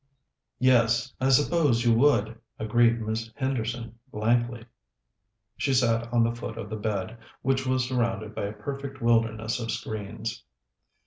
"Yes, I suppose you would," agreed Miss Henderson blankly. She sat on the foot of the bed, which was surrounded by a perfect wilderness of screens.